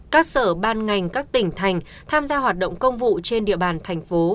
các sở ban ngành các tỉnh thành tham gia hoạt động công vụ trên địa bàn tp hcm